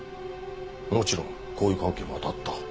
もちろん交友関係も当たった。